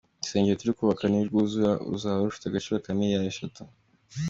Urusengero turi kubaka nirwuzura ruzaba rufite agaciro ka miliyari eshatu.